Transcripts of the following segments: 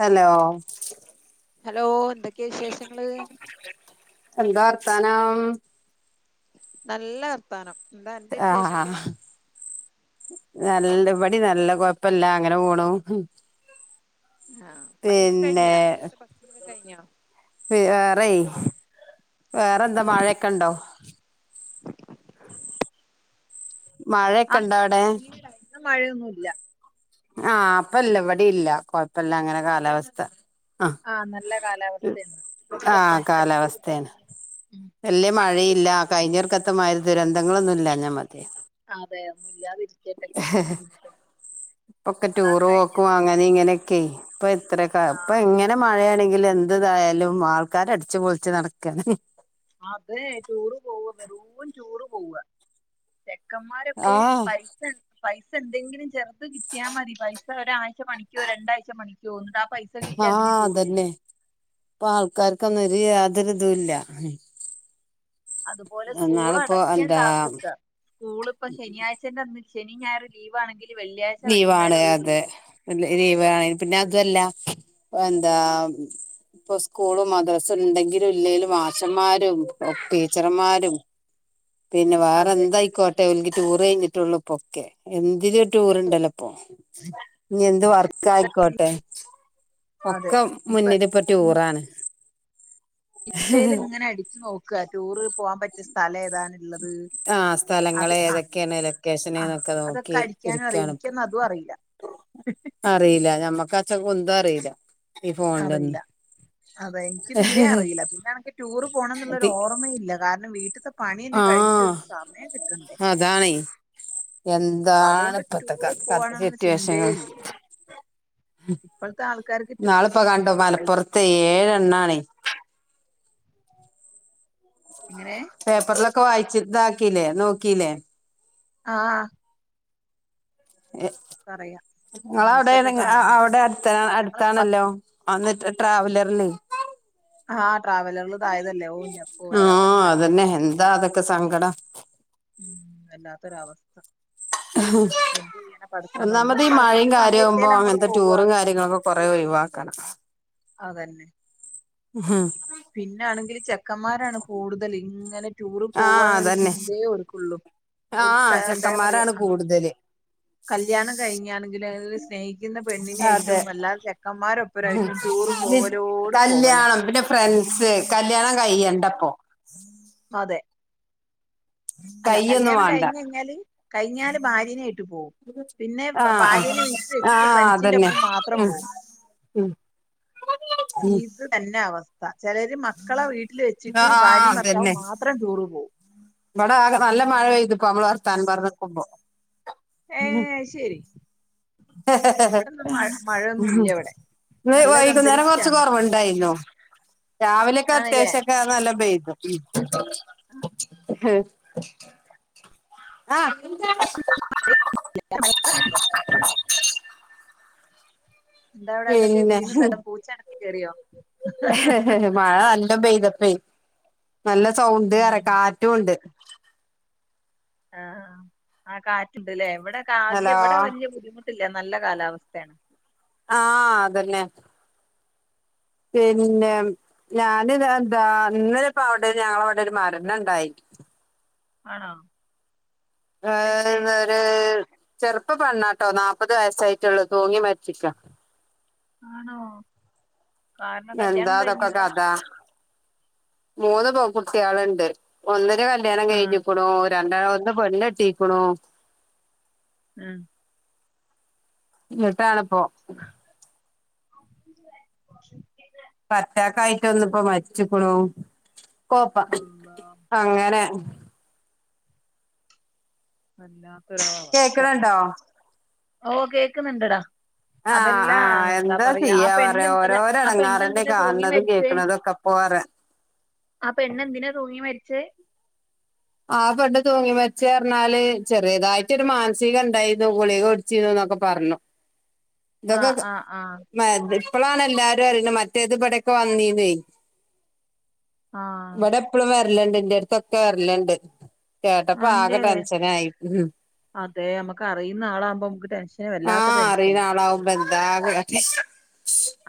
Hello hello എന്തൊ ക്കെ വിശേഷങ്ങള്? ത്താനം? നല്ല വർത്താനം. എന്താ അൻ്റെ വിശേഷൊക്കെ? ആഹ് നല്ല. ഇബടി നല്ല കൊഴപ്പല്ല അങ്ങനെ പോണു. ആഹ് പണിയൊക്കെ കഴിഞ്ഞോ പിന്നെ. രാത്രികത്തെ ഭക്ഷണൊക്കെ കഴിഞ്ഞോ വേറെ വേറെന്താ മഴൊക്കെണ്ടോ? മഴൊക്കെ ഇണ്ടോ അവ്ടെ? ഇല്ല ആഹ് അപ്പല്ല ഇവടില്ല കൊഴപ്പല്ല അങ്ങനെ കാലാവസ്ഥ. ആഹ് നല്ല കാലാവസ്ഥേണ്. ഡ്രെസ്സൊക്കെ ഒണ ആഹ് അലക്കിയതൊക്കെ കാലാവസ്ഥയാണ് ഒണങ്ങി. വല്യ ഇഞ് മഴയില്ല മടക്ക്യേക്കാൻ. കഴിഞ്ഞൊർക്കത്തെ മാതിരി ദുരന്തങ്ങളൊന്നും [unintelligible] ഇല്ലാഞ്ഞാ മതി അതെ ഒന്നുല്ലാതിരിക്കട്ടെ ബുദ്ധിമുട്ടൊന്നും ഇപ്പൊക്കെ അതാണ് ടൂർ കഴിഞ്ഞ പോക്കും പ്രാവശ്യം അങ്ങനീ തന്നെ ഇങ്ങന്യൊക്കെ ഇപ് ഇപ്പൊ ആഹ് ഇങ്ങനെ മഴയാണെങ്കിൽ എന്ത് എന്തായാലും ആൾക്കാര് അടിച്ചുപൊളിച്ച് നടക്കാണ്. അതെ റ്റൂറ് പോവ. [unintelligible] റ്റൂറ് പോവ്ക. തെക്കന്മാരൊക്കെ ആഹ് പൈസയൊ പൈ പൈസ എന്തെങ്കിലും ചെറ്‌ത് കിട്ടിയാ മതി. പൈസ ഒരാഴ്ച്ച പണിക്ക് പോയാ രണ്ടാഴ്ച്ച പണിക്ക് പോന്നൊണ്ട്. ആ പൈസ കിട്ടി അതിന് ആഹ് ടൂർ പോകും അതന്നെ. ഇപ്പ ആൾക്കാർക്കൊന്നുതിയാ ഒരെതുല്ല. അതുപോലെ സ്കൂൾ അടയ്ക്കാൻ കാത്ത് നിക്ക. സ്കൂളിപ്പ ശനിയാഴ്ച്ചയും നട ശെനിയും ഞായറ് ലീവാണെങ്കിൽ. ലീവാണ്. അതെ ലീ ലീവാണ്. പിന്നെയതുല്ല. പ്പന്താ ഇപ്പൊ സ്കൂളും മദ്രസ ഉണ്ടെങ്കിലും ഇല്ലെലും മാഷന്മാരും ടീച്ചർന്മാരും പിന്നെ വേറെ അതെ എന്തായിക്കോട്ടെ ഉൻകി റ്റൂറ് കഴിഞ്ഞിട്ടേള്ളൂ പൊക്കേ. എന്തിര് റ്റൂറെണ്ടല്ലോപ്പോ ഇനി എന്ത് വർക്ക് ആയിക്കോട്ടെ. അതെ ഒക്കെ ഇപ്പൊ മുന്നടിപ്പൊ റ്റൂറാണ്. ഇൻസ്റ്ററ്റിലിങ്ങെനെ അടിച്ച് നോക്കുക റ്റൂറ്. പോവാൻ പറ്റിയ സ്ഥലയേതാണുള്ളത്. ആഹ് സ്ഥലങ്ങളേതെക്കെയാണ് ആ ലൊക്കേഷനേതെക്കെ അതൊക്കെ നോക്കി അടിക്കാനും അറിയാം ഇരിക്കാണ് ഇപ്പോ. എനിക്കൊന്നും അതും അറിയില്ല അറിയില്ല ഞമ്മക്ക ന്ത കുന്തേം അറിയില്ല. ഈ ഫോണിലൊന്നും അറിയില്ല. അതെ എനിക്ക് തീരെ അറിയില്ല. പിന്നെ എണക്ക് റ്റൂറ് പോകണയെന്നുള്ളരു തി ഓർമ്മയില്ല. കാര നം മീൽ ഇവടത്തെ പണിന്നൊന്ന് ആഹ് കഴിഞ്ഞിട്ടൊരു സമയം കിട്ടണ്ടേ. അതാണേ അപ്പൊ എന്താണ് അതുകൊണ്ട് ഇപ്പത്തെ ക ടൂറ് ക പോവാണെന്ന ചിന്തയേ സിറ്റുവേഷകൾ. ഇല്ല. ഇപ്പഴത്തെ ആൾക്കാർക്ക് ടൂ ന്നാളിപ്പൊ കണ്ടു മലപ്പുറത്തെ ഏഴേണ്ണാനേ എങ്ങനെ പേപ്പറില് ഒക്കെ വായിച്ചയിതാക്കില്ലേ. നോക്കിലേ. ആഹ് ആ എ നിങ്ങെളെവിടെ ന്യൂസൊക്കെ നിങ്ങെള് അ കാണുന്നുണ്ട്. അവടെ അടുത്ത് ഞങ്ങള് പ അടുത്താണല്ലോ. അന്നിട്ട് ട്രാവലറില്ലേ. ആഹ് ട്രാവലറിൽ ഇതായതല്ലേ. ഓഹ് ഇന്റപ്പോ വല്ലാത്തൊരു ആഹ് മരണായി. അതന്നെ എന്താ അതൊക്കെ സങ്കടം. ഉം വെല്ലാത്തൊരവസ്ഥ ഒന്ന് ഒന്നാമത് ഈ മഴയും പടച്ചോന്റെ കാര്യമാവ്മ്പോ സമയെത്തിയാൽ അങ്ങോട്ട് അങ്ങെനെത്തെ പോവാ റ്റൂറും കാര്യങ്ങളൊക്കെ കൊറെ ഒഴിവാക്കണം. അതന്നെ. ഉം പിന്നാണെങ്കിൽ ചെക്കന്മാരാണ് കൂടുതല്. ഇങ്ങനെ റ്റൂറ് ആഹ് പോവാന്നൊരു അതന്നെ ചിന്തേയോർക്കൊള്ളൂ. ഓര്ക്ക് കെ ആഹ് എന്താ ഞാ പറയാ. ചെക്കന്മാരാണ് ആഹ് കൂടുതല് കല്ല്യാണം കഴിഞ്ഞാണെങ്കില് അഹ് അതെ ചെക്കന്മാരൊപ്പരായിട്ടും ടൂറ് മിസ് പോവലോട് പോവല കല്യാണം പിന്നെ ഫ്രണ്ട്സ് കല്യാണം കയ്യണ്ട ക്കൊ അതെ അല്ല കയ്യൊന്നും കല്യാണം വേണ്ട കഴിഞ്ഞ ഴ്ഞ്ഞാല് കഴിഞ്ഞാല് ഭാര്യനായിട്ട് പോവും പിന്നെ ഭ ആഹ് ആഹ് ഭാര്യനെ വീട്ടില് വെച്ചിട്ട് ആഹ് അതന്നെ ഫ്രണ്ട്സിൻ്റെപ്പം മാത്രം ഉം പോകും ഉം ഇത് തന്നെ അവസ്ഥ ചെലര് മക്കളെ വീട്ടില് വെച്ചിട്ട് ആഹ് ആഹ് ഭാര്യയും ഭർത്താവ് മാത്രം ടൂറ് പോവും. ഇമ്പടെ ആകെ നല്ല മഴയ്ത്പ്പൊ അമ്മള് വർത്താനം പർഞ്ഞ്ക്കുമ്പോ ഏ ശരി ഇവിടെ മഴ മഴയൊന്നും ഇല്ല ഇവിടെ ഇന്ന് നല്ലൊരു വൈക്കുന്നേരം കൊർച്ച് അന്തരീക്ഷാണ് കൊറവ്ണ്ടായിന്നു. രാവിലെക്കെ ആണല്ലേ അത്യാവശ്യക്കെ നല്ല പെയ് ഹ് ആഹ് എന്താവടെ അന്തൊക്കെ പിന്നെ വീണ് തരം പൂച്ചാണ്. കേറിയോ മഴ നല്ലോം പെയ്തപ് [unintelligible] നല്ല സൗണ്ട് അറ ഉം കാറ്റുണ്ട്. ആഹ് ആ കാറ്റ്ണ്ട്ല്ലേ ഇവട് [unintelligible] ഇല്ല്യ ഹലോ ഇവടെ വല്യ ബുദ്ധിമുട്ട് ഇല്ല നല്ല കാലാവസ്ഥയാണ് ആഹ് അതെന്നെ പിന്നെ ഞാന് ഇത് എന്താ ഇന്നലെ ഇപ്പ അവടെ ഞങ്ങളവിടെ ഒര് മരണണ്ടായി ആണോ അതെങ്ങനെ ഏഹ് ഒരു ചെറുപ്പ പെണ്ണാട്ടോ നാപ്പത് വയസ്സായിട്ടുള്ളൂ തൂങ്ങി മരിച്ചിക്കാ ആണോ കാരണം എന്താ കല്യാണം ഇതൊക്കെ കഴിഞ്ഞില്ല കഥ മൂന്ന് പെകുട്ടിയാള്ണ്ട് ഒന്നിന്റെ കൽ ല്യാണം ആഹ് കഴിഞ്ഞിക്ക്ണുൽ രണ്ടാമത്തെ പെണെട്ടിക്കുണു. ഉം ന്ന്ട്ടാണ്പ്പോ [unintelligible] പ്പ അറ്റാക്കായിട്ടൊന്നുപ്പം മരിച്ച്ക്കുണു കോപ്പ അള്ളാ അങ്ങനെ അല്ലാ കേക്ക്ണുണ്ടോ ഓ കേക്കുന്ന്ണ്ട്ടാ ആഹ് അതെല്ലാ ആഹ് എന്താ പറയാ ആ ചെയ്യാ പെണ്ണ് പറയാ അല്ല ഓരോരോ ആ എടങ്ങാറന്നെ പെണ്ണന്തിനാ തൂങ്ങി കാണണതും മരിച്ചേ കേൾക്കണതും ഒക്കെ ഇപ്പൊ പറയാ ആ പെണ്ണെന്തിനാ തൂങ്ങി മരിച്ചെ ആ പെണ്ണ് തൂങ്ങി മര്ച്ചെറ്ഞ്ഞാല് ചെറിയതായിട്ടൊരു മാനസികണ്ടായിരുന്നു ഗുളിക്കുട്ച്ചിരുന്നു ന്നൊക്കെ പറഞ്ഞു ആഹ് ത്തക്കൊകെ ആഹ് ആഹ് [unintelligible] ഇപ്പളാണ് എല്ലാരും അറിയണത് മറ്റേത് ബടൊക്കെ വന്നീന്നെ ആഹ് വ്ടെ എപ്പളും വര് ല്ലേണ്ട് ന്റെട്ത്തൊക്കെ വർല്ണ്ട് കേട്ടപ്പ ആകെ അന്റെ ടെൻഷനായി അതെ നമുക്ക് അറിയുന്ന ആളാകുമ്പോ നമുക്ക് ടെൻഷന് ആ വല്ലാത്ത അറീണ ടെൻഷന് ആളാവുമ്പ ന്താ ആകെ ശ്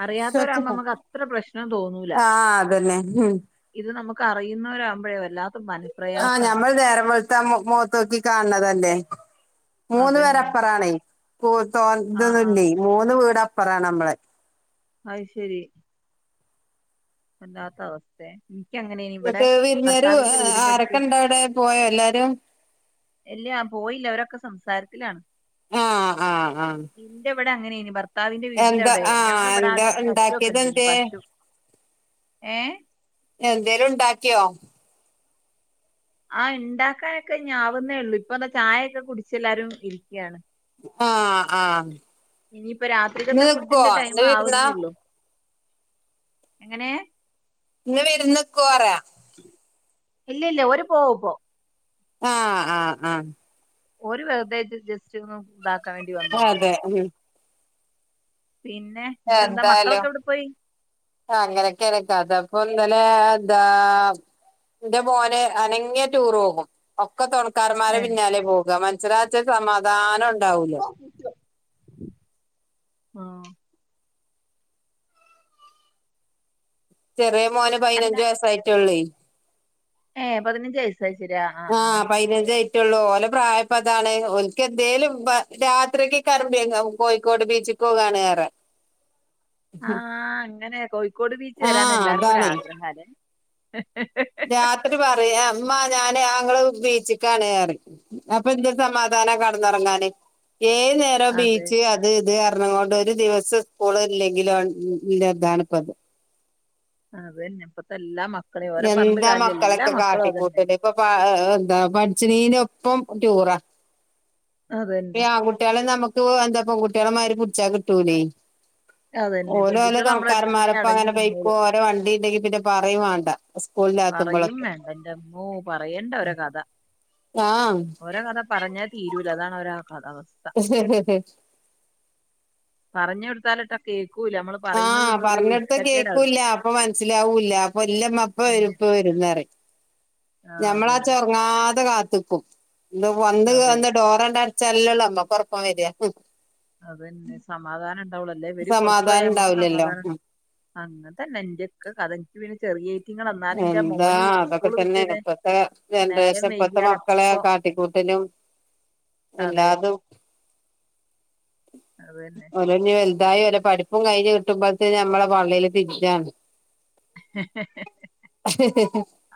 അറിയാത്തവരാകുമ്പോ നമുക്ക് അത്ര പ്രശ്നം തോന്നൂല ആ അതെന്നെ മ് കറിറയുന്നവരാപോഴേ വല്ലാ ആ ഞമ്മൾ നേരം വെള് ത്ത മോ മോത്തോക്കി കാണ് ണതല്ലേ മൂന്ന് അതന്നെ. പെരപ്പറാണെ ആഹ് ആഹ്. [unintelligible] മൂന്ന് വീട പറ നമ്മളെ അയ് ശെരി വല്ലാത്താവസ്ഥേ ന്ന്ട്ട് വിര്ന്നാര് അടുത്ത് ആരൊക്കെ ഇണ്ടവ്ടെ പോയ എല്ലാരും ഇല്ല്യാ ആ പോയില്ല അവരൊക്കെ സംസാരത്തിലാണ് ആഹ് ആഹ് ആഹ് ഇന്റെ ഇവ്ടെ അങ്ങനെ നീ എന്താ ആ പശുവൊക്കെ എന്താണ്ടാക്കിയത് ഉണ്ടായിരുന്നു എൻതെ പശു. ഏഹ് എന്തേലും ഉണ്ടാക്കിയോ ആഉണ്ടാക്കാനൊക്കെ ആവുന്നേള്ളൂ ഇപ്പ ന്താ ചായയൊക്കെ കുടിിച്ച എല്ലാരും ഇരി ക്‌യാണ് ആ ആ ഇനിയിപം രാത്രികത്തെ ഫുഡിന്റെ ടൈം ഇന്ന് വിരുന്നാ ആവുന്നേള്ളു എങ്ങനെ ന്ന് വിര്ന്ന്കോ പറ ഇല്ലില്ല ഒരു പോവുപ്പോ ആ ആ ആ ഓര് വെർതെ ജ് ജസ്റ്റ് ന്ന് താ [unintelligible] വന്നന്നേ ഉള്ളു. അതെ ഉം [unintelligible] എന്നിട്ടെന്താ എന്തായാലും മക്കളൊക്കെ എവിടെ പോയി അങ്ങനെയൊക്കെയാണ് കഥ ഇപ്പോ ന്താ ലെഎന്താ എന്റെ മോന് അനങ്ങിയ ടൂർ പോകും, ഒക്കെ തൊള സാർമാരെ ഏ പിന്നാലെ പോകാം. [unintelligible] ധാനം ഉണ്ടാവൂലോ ആ ചെറിയ മോന് അല്ല പതിനഞ്ച് വയസ്സായിട്ടൊള്ളി. ഏ, പതിനഞ്ച് വയസ്സായി ശരിയാ, ആ ആ പറ്റുള്ളൂ ഓലെ പ്രായപ്പോ അതാണ്, ഒനിക്കെന്തേലും രാത്രിക്ക് കറമ്പിയാങ്കാവ് കോഴിക്കോട് ബീച്ചി പോകാണ് ഏറെ. ആ, അങ്ങനെ ക്കോട് ബീച്ച് വരാൻ ആഹ് എല്ലാർക്കും അതാണേ ആഗ്രഹ അല്ലെ? രാത്രി പറയാം. അമ്മ ഞാന് അങ്ങള് ബീച്ചക്കാണ് പറയും, അപ്പൊ എന്ത് സമാധാനം കടന്നുറങ്ങാന്. ഏത് നേരം അതെ ബീച്ച് അത് ഇത് [unintelligible] കൊണ്ട് ഒരു ദിവസം സ്കൂള് ഇല്ലെങ്കിലും [unintelligible] ഇതാണ്പ്പ അത്. അത് തന്നെ ഇപ്പത്തെ എല്ലാ മ എന്താ മക്കളൊക്കെ കാട്ടിക്കൂട്ടത് ഇപ്പൊ പാ അ എന്താ പഠിച്ചിനീന് ഒപ്പം ടൂറാ അതന്നെ പിന്നെ ആൺ കുട്ടികളെ നമു എന്തുവ എന്താ പെൺകുട്ടികളെടെ മാതിരി പിടിച്ചാ കിട്ടൂലെ. അതന്നെ ഓരോ ഓരോ പെൺകുട്ടികൾ നമ്മളടുത്ത് പിന്നെ തണക്കാരന്മാരപ്പോ അടങ്ങി അങ്ങനെ നിന്നു ബക്കോ ഓരോ വണ്ടി ഇണ്ടെങ്കി പിന്നെ പറയുവേണ്ട. പറയും വേണ്ട എന്റമ്മോ പറയണ്ട ഓരോ കഥ, ഓരോ കഥ പറഞ്ഞ തീ പറ്റൂല്ല അതാണ് ഒരാ [unintelligible] പറഞ്ഞു കൊടുത്താലൊട്ട കേക്കു ആ, പറഞ്ഞു കൊടുത്ത കേക്കൂല്ല, അവർക്ക് അപ്പം മനസ്സിലാവൂല്ല, അപ്പൊ എല്ലാം അപ്പം വരും, ഉം. ഇപ്പ വരും എന്നു പറയും. ആ ഞമ്മളാച്ച അതന്നെ ഉറങ്ങാതെ കാത്ത് ത്തിക്കും ഇത് വന്ന് അതെ കേറുന്ന ടോറട ചെല്ലള്ള അപ്പം കൊറപ്പം വരിയാ അതന്നെ സമാധാനം ഉണ്ട് ല്ലേ ഇവര് പുറത്തു പോയ സമാധാനം നമക്ക് ഉണ്ടാവൂലല്ലോ സമാധാനം അങ്ങനെ തന്നെ എന്റെയക്ക കഥക്ക് എനിക്ക്പിന്നെ ചെറി എന്താ അതൊക്കെ തന്നെ ഇപ്പത്തെ നേരം ജനറേഷൻ ഇപ്പത്തെ വൈകിയാൽ മക്കളെ അപ്പൊ കാട്ടിക്കൂട്ടലും അതെ എല്ലാതും അത് തന്നെ ഓല്ന്നെ ഇതായി ഓരെ പഠിപ്പും കഴിഞ്ഞ് കിട്ടുമ്പോഴത്തേന്ന് നമ്മെ പള്ളേൽ തീജാണ്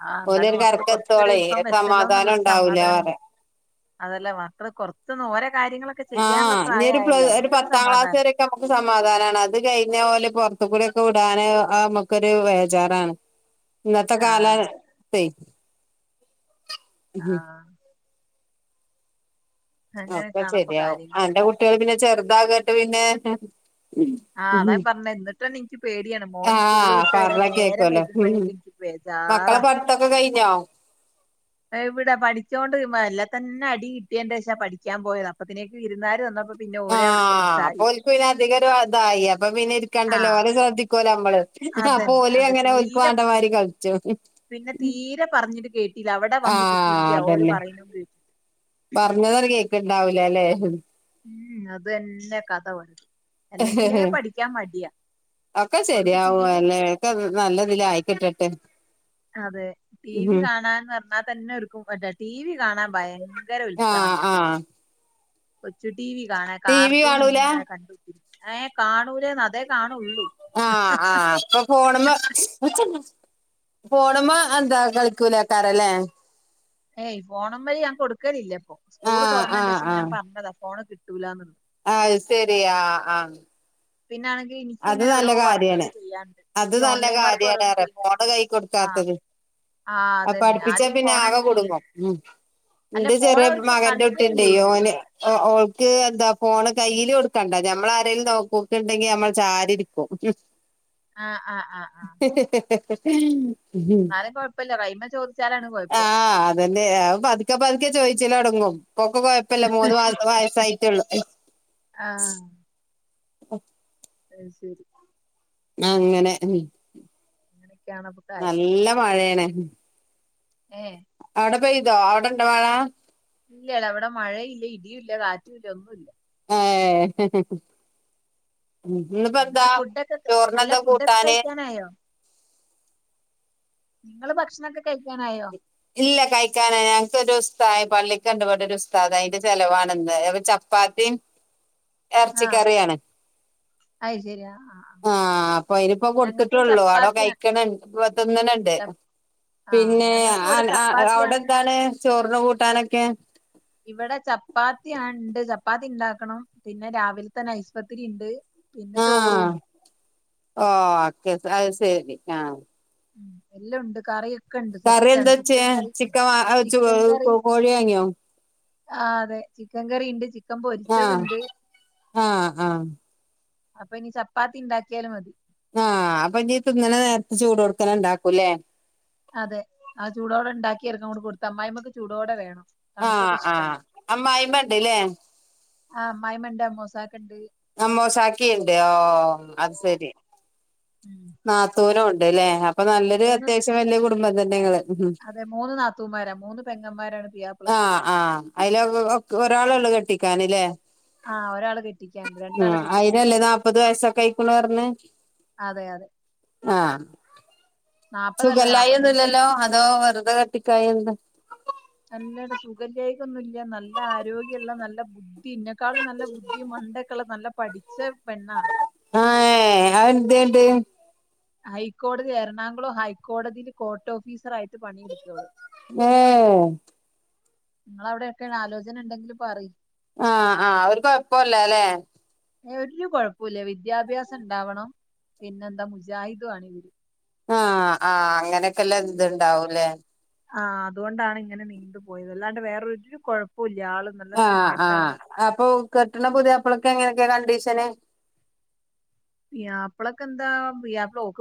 ആഹ് എന്നാലും ഓലൊരു മക്കള് കൊറച്ചൊരു കരക്കെത്തോളേ വലിപ്പം വെച്ചല്ലോ സമാധാനം എന്നുള്ളൊരു ഉണ്ടാവൂല സമാധാന പറയാ അതല്ല മക്കള് കൊറച്ച് ഓര് ആഹ് ഇനി ഒരു ഒരു പത്താം ക്ലാസ് സമാധാനം വരൊക്കെ നമുക്ക് സമാധാനമാണ് അത് കഴിഞ്ഞ ഓല് പുറത്തു കൂടെ ഒക്കെ വിടാന് ആഹ് നമക്കൊരു വേജാറാണ് ഇന്നത്തെ ആ കാലത്തെ ഉം ആഹ് ഒക്കെ അങ്ങനെയൊക്കെയാണ് ഇപ്പൊ ശെരിയാവും കാര്യങ്ങള് ആന്റെ കുട്ടി ള് പിന്നെ ചെറുത് താകട്ട് പിന്നെ ആഹ് അതാ ഞാൻ പറഞ്ഞെ എന്നിട്ട്ന്നെ എനിക്ക് പേടിയാണ് മോന് സ്കൂള് ആഹ് വിട്ട് വരാൻ പറഞ്ഞ നേരം കേക്കുവല്ലോ ഉം വൈകുമ്പോഴേക്ക് എനിക്ക് മക്കളെ ബേജാറാ പഠിത്തൊക്കെ കഴിഞ്ഞോ എവിടെ പഠിച്ചുകോണ്ട് എല്ലെ തന്നെ അടി കിട്ടിയ ശേഷാ പഠിക്കാൻ പോയത് അപ്പത്തിനേക്ക് വിരുന്നാർ വന്ന ആഹ് അപ്പോ ഓല്ക്ക് പിന്നെ അധിക ഒരു അതായി അപ്പൊ പിന്നെ ഇരിക്കാണ്ടല്ലോ ആഹ് ഓരെ ശ്രദ്ധിക്കാലോ മ്മള് അപ്പോ അതന്നെ ഓല് അത് അങ്ങനെ ഓല്ക്ക് തീരെ വേണ്ടമാരി കളിച്ചോളും പിന്നെ തീരെ പറഞ്ഞിട്ട് കേട്ട് കേട്ടീല അവിടെ വന്ന് കുത്തിരിക്കയാ ഓര് പറയണ്ത് ക്ക ഇണ്ടാവൂല അല്ലെ മ്മ് അത് തന്നെ കഥ ഓന് അല്ലെങ്കിലേ പഠിക്കാൻ മടിയാ ഒക്കെ ഓലക്ക് ടി ശരിയാവും വി അല്ലേ ഒക്കെ നല്ലതിലായി കിട്ടട്ടെ അതെ ടി വി ഉം കാണാന്ന് പറഞ്ഞാൽ തന്നെക്കും ടി വി കാണാൻ ഭയ ആഹ് ആഹ് ഒച്ചിട്ട് ടി വി കാണാൻ ടി വി കാർട്ടൂൺ കാണൂല ഇങ്ങനെ കണ്ട് ഏഹ് കാണൂലേ അതേ കാണൂള്ളൂ ആഹ് ആഹ് അപ്പൊ ഫോണിൻ മേൽ ഫോണു മേൽ എന്താ കളിക്കൂല ആക്കാരല്ലേ ഏയ് ഫോണുമേൽ ഞാൻ കൊടുക്കലില്ല സ്കൂള് ആഹ് തുറന്നതിന്റെ ശേഷ ഞാൻ പറഞ്ഞതാ ഫോണ് കിട്ട തൂലാമെന്ന് ആ ശരിയാ ആ പിന്നാണെങ്കിൽ അത് എനിക്കിങ്ങനെ ഓരോ നല്ല കാര്യാണ് വർക്കൊക്കെ ചെയ്യാണ്ട് അത് ഈ നല്ല ഓൺലൈൻ വർക്ക് കാര്യണ ഓരോന്ന് റെ ചെയ്യുന്നു ഫോണ് കൈ ആഹ് കൊടുക്കാത്തത് ആഹ് അപ്പ അതന്നെ പഠപ്പിച്ചാ ആദ്യം പിന്നെ ആകെ കുടുങ്ങും ഫോണെന്നേനി ഉം അല്ല എന്റെ ഫോൺ ചെറിയ അവർക്ക് മകന്റെ കുട്ടിയുണ്ട് കളിക്കലുണ്ടേനി ഓര് ഓന് ഓൾക് ക്ക് എന്താ ഫോണ് കയ്യിൽ കൊടുക്കണ്ട നമ്മൾ ആരേലും നോക്കുകെണ്ടെങ്കിൽ നമ്മൾ ചാരിരിക്കും ആ ആഹ് ആഹ് ആ ഉം ഉം ചോദിച്ചാലാണ് കൊഴപ്പം അതന്നെ പതുക്കെ പതുക്കെ ചോയിച്ച് ചില അടങ്ങും ഇപ്പൊക്കെ കൊഴപ്പില്ല മൂന്ന് വയസ്സായിട്ടുള്ളൂ ഉം അ ശരി ആ അങ്ങനെ ഉം അങ്ങനെയൊക്കെയാണ് അപ്പൊ കാര്യങ്ങള് നല്ല മഴയാണ് ഏ അവിടെ പെയ്തോ അവിടെണ്ടോ വാഴ ഇല്ലല്ല അവിടെ മഴയില്ല ഇടിയുയില്ല കാറ്റുവില്ല ഒന്നുവില്ല ഏ എനിക്കിപ്പേയെന്താ എന്നിട്ട് ഫുഡൊക്കെ ചോറിന് അല്ല എന്താ ഫുഡൊക്കെ കൂട്ടാന് കഴിക്കാനായോ നിങ്ങള് ഭക്ഷണൊക്കെ കഴിക്കാനായോ ഇല്ല കഴിക്കാന ഞങ്ങക്ക് ഒരു ഉസ്ത പള്ളിക്ക് കണ്ടപട്ട ഒരു ഉസ്താ അതിന്റെ ചെലവാണ് ഇന്ന് അപ്പ ചപ്പാത്തിയും ആഹ് എറച്ചിക്കറിയാണ് അയ് ശരി ആ ആ കൊയിനിപ്പം ഞങ്ങക്കും കൊടുത്തിട്ടള്ളൂ അട ചപ്പാത്തിയാണ് കഴിക്കണയിണ്ട് തിന്നണണ്ട് ച ആ പിന്നെ ഞങ്ങക്ക് ഇവിടെ ആ ആഅവിടെ ചപ്പാത്തിയാണ് എന്താണ് ചോറിന് കൂട്ടാനൊക്കെ ഇവിടെ ചപ്പാത്തി അണ്ട് ചപ്പാത്തി ഉണ്ടാക്കണം പിന്നെ രാവിലെ തന്നെ. നൈസ്പത്തരി ഇണ്ട് പിന്നെ ആ ചോറും ഉണ്ട്. ഓക്കെ സൈസ് ശരി ആ ഉ എല്ലാം ഉണ്ട് കറിയൊക്കെ ഉണ്ട് കറി എന്ത് സെറ്റാണ് വെച്ച് ചിക്കൻ കറി ചിക്കൻ വാ വെച്ച് ചിക്കൻ കറി കോഴിയെ വാങ്ങിയോ ആ അതെ ചിക്കൻ കറി ഉണ്ട് ചിക് ആ ആആ അപ്പം ഇനി ചപ്പാത്തി ഇണ്ടാക്കിയാല് മതി ആഹ അപ്പൊ നീ തിുന്നനെ നേരത്തെ ചൂട് കൊടുക്കാന ഇണ്ടാക്കൂല്ലേ അതെ ആ ചൂടോടെ ഉണ്ടാക്കി എക്ക കൊടുത്ത അ്മായിമ്മക്ക് ചൂടോടെ വേണം ആഹ തണുത്തത് ഇഷ്ടല്ല ആഹ് അ്മ്മയി്മണ്ടല്ലേ ആ അമ്മായിയമ്മ ഉണ്ട് മോസാ നമ്മോശാക്കി ഉണ്ട് ഓ അത് ഓ ശരി ഉം നത്തൂനും ഉണ്ട്ല്ലേ അപ്പൊ നല്ലൊരൂ മൂന്ന് അത്യാവശ്യം വലിയ കൂടും കുടുംബ തന്നങ്ങള് ഉം അതെ നാത്തൂന്മാരാ. പെങ്ങന്മാരാണ് ആ പുയ്യാപ്ലക്ക്. ആ അതില ഒരാളെ ഉള്ളു കെട്ടി ക്കാനില്ലേ [unintelligible] ആ ഒരാള് കെട്ടിക്കാണ്ട്. ആ രണ്ടാള് കെട്ടി. അയിതിനല്ലേ നനാല്പ്പത് വയസൊക്കെ ആയിക്കണ പറഞ്ഞേ അതെ അതെ. ആ അല്ല സുഖല്ലായി ആയി. ഒന്നുംല്ലല്ലോ അതോ വെറ അത് കെട്ടിക്കായ എന്ത നല്ലട സുഗയില്ലയ്ക ഒന്നും ഇല്ല നല്ല ആരോഗ്യമുള്ള നല്ല ബുദ്ധി ഇതിനെക്കാളും നല്ല ബുദ്ധിയും മണ്ടയുമൊക്കെയുള്ള നല്ല പഠിച്ച പെണ്ണാ ആ അവ എന്ത്ണ്ട് ഹൈക്കോടതി എറണാകുളം ഹൈക്കോടതിൽ കോർട്ട് ഓഫീസറായി ആ നിങ്ങള അവിടെക്ക ആലോചന ഉണ്ടെങ്കിൽ പറയു ആഹ് ആ അവർ കൊഴപ്പല്ല അല്ലെ ഒരു കുഴപ്പമില്ല വിദ്യാഭ്യാസം ഉണ്ടാവണം പിന്നെന്താ മുജാഹിദ് ആണ് ഇവര് ആ ആ അങ്ങനെ എല്ലാം ഇതുണ്ടാവൂലേ ആ അതുകൊണ്ടാണ് ഇങ്ങനെ നീണ്ടു പോയത് അല്ലാണ്ട് വേറൊരു കുഴപ്പമില്ല ആ ആ അപ്പൊ കെട്ടണ പുതിയപ്പിളക്ക് എങ്ങനെയൊക്കെ കണ്ടീ കണ്ടീഷൻ പിയപ്പിളക്ക് എന്താ പിയപ്പിള ഓൾക്ക്